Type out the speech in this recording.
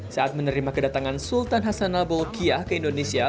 saat menerima kedatangan sultan hasanah bokiyah ke indonesia